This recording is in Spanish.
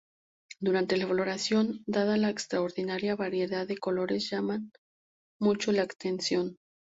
Durante la floración, dada la extraordinaria variedad de colores, llaman mucho la atención.